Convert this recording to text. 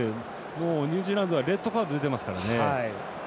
もうニュージーランドはレッドカード出てますからね。